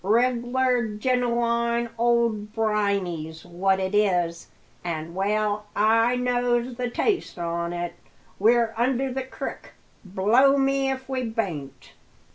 Reg'lar genewine old briny's what it is, an' well I knows the taste on it! We're under the crik blow me if we bain't!"